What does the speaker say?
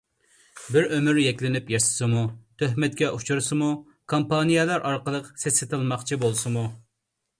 بىر ئۆمۈر يەكلىنىپ ياشىسىمۇ، تۆھمەتكە ئۇچرىسىمۇ، كامپانىيالار ئارقىلىق سېسىتىلماقچى بولسىمۇ.